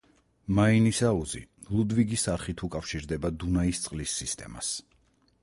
მაინის აუზი ლუდვიგის არხით უკავშირდება დუნაის წყლის სისტემას.